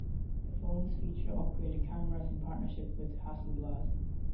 The phones feature upgraded cameras in partnership with Hasselblad.